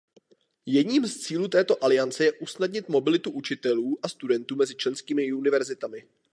Jedním z cílů této aliance je usnadnit mobilitu učitelů a studentů mezi členskými univerzitami.